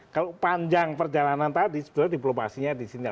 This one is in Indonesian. kalau panjang perjalanan tadi sebenarnya diplomasinya di sini